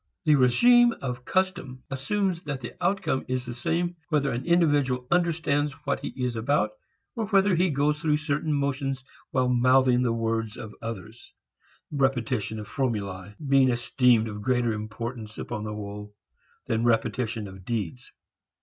The regime of custom assumes that the outcome is the same whether an individual understands what he is about or whether he goes through certain motions while mouthing the words of others repetition of formulæ being esteemed of greater importance, upon the whole, than repetition of deeds.